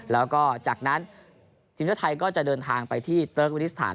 แล้วก็จากนั้นทีมชาติไทยก็จะเดินทางไปที่เติร์กมินิสถาน